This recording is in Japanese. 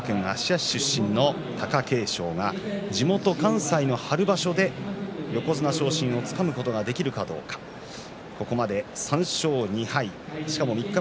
なんといっても今場所は兵庫県の芦屋市出身の貴景勝が地元、関西の春場所で横綱昇進をつかむことができるかどうかここまで３勝２敗。